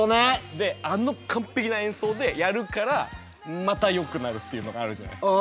であの完璧な演奏でやるからまたよくなるっていうのがあるじゃないですか。